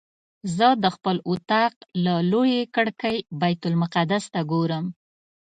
زه د خپل اطاق له لویې کړکۍ بیت المقدس ته ګورم.